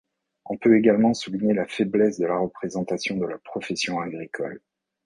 On peut également souligner la faiblesse de la représentation de la profession agricole.